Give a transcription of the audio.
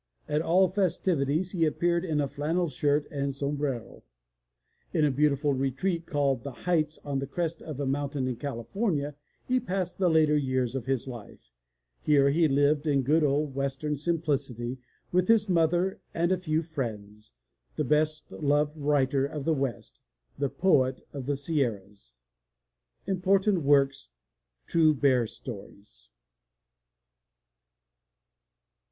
At all festivities he appeared in a flannel shirt and sombrero! In a beautiful retreat called "The Heights" on the crest of a mountain in California he passed the later years of his life. Here he lived in good old western simplicity with his mother and a few friends, the best loved writer of the West, the Poet of the Sierras. Important Works: True Bear Stories.